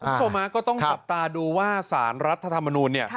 คุณผู้ชมก็ต้องจับตาดูว่าสารรัฐธรรมนูลเนี่ย